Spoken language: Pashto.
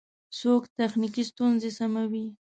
څوک تخنیکی ستونزی سموي؟